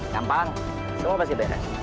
gampang semua pasti beres